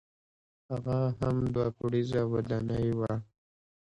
هغه هم دوه پوړیزه ودانۍ وه.